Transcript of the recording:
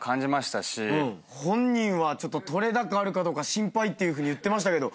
本人は撮れ高あるかどうか心配っていうふうに言ってましたけど。